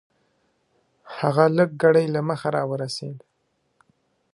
هغه لږ ګړی له مخه راورسېد .